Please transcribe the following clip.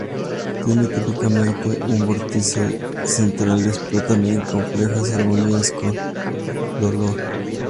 Tienen, típicamente, un vórtice central y explotan en complejas armonías de color.